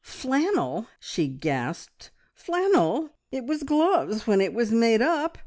"F flannel!" she gasped. "Flannel! It was gloves when it was made up.